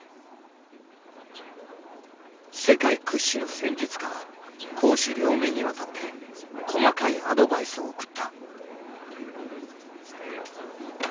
世界屈指の戦術家は攻守両面にわたって細かいアドバイスを送った。